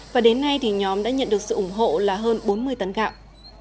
và đến nay thì nhóm đã nhận được sự ủng hộ là hơn bốn mươi tấn gạo